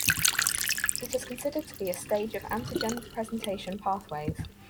It is considered to be a stage of antigen presentation pathways.